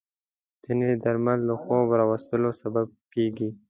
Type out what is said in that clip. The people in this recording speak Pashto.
ځینې درمل د خوب راوستلو سبب کېږي.